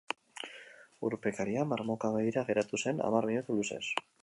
Urpekaria marmokak begira geratu zen hamar minutu luzez.